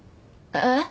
えっ？